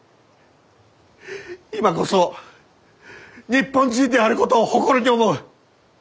今こそ日本人であることを誇りに思う！